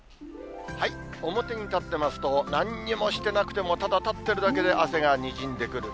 表に立ってますと、なんにもしてなくても、ただ立ってるだけで汗がにじんでくる。